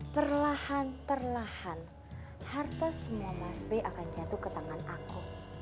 perlahan perlahan harta semua masbe akan jatuh ke tangan aku